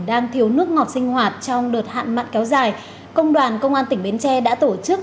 đang thiếu nước ngọt sinh hoạt trong đợt hạn mặn kéo dài công đoàn công an tỉnh bến tre đã tổ chức